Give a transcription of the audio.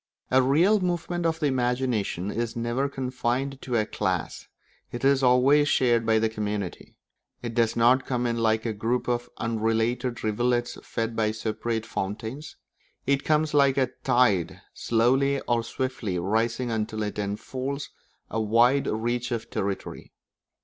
A real movement of the imagination is never confined to a class; it is always shared by the community. It does not come in like a group of unrelated rivulets fed by separate fountains; it comes like a tide, slowly or swiftly rising until it enfolds a wide reach of territory.